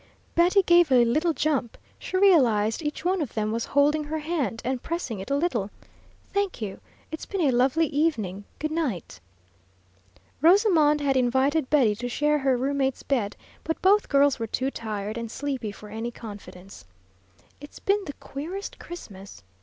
Betty gave a little jump; she realized each one of them was holding her hand and pressing it a little. "Thank you, it's been a lovely evening. Goodnight." Rosamond had invited Betty to share her roommate's bed, but both girls were too tired and sleepy for any confidence. "It's been the queerest Christmas!"